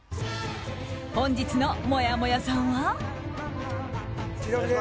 本日のもやもやさんは。